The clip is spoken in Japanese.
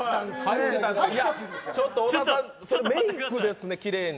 ちょっと小田さんメークですね、奇麗な。